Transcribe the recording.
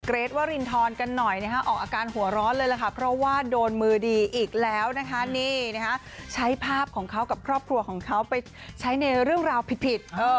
เกรทวรินทรกันหน่อยนะฮะออกอาการหัวร้อนเลยล่ะค่ะเพราะว่าโดนมือดีอีกแล้วนะคะนี่นะคะใช้ภาพของเขากับครอบครัวของเขาไปใช้ในเรื่องราวผิด